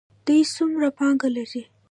دوی څومره پانګه لري؟